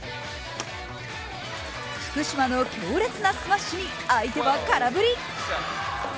福島の強烈なスマッシュに相手は空振り。